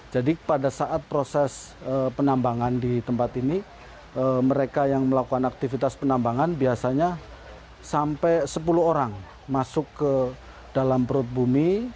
jadi pada saat proses penambangan di tempat ini mereka yang melakukan aktivitas penambangan biasanya sampai sepuluh orang masuk ke dalam perut bumi